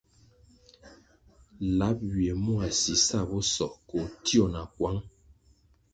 Lap ywie mua sisabisoh koh tio na kwang.